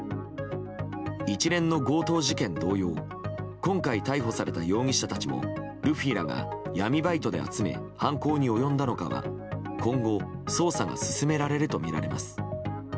一連の強盗事件同様今回逮捕された容疑者たちもルフィらが闇バイトで集め犯行に及んだのかは今後、捜査が進められるとみられます。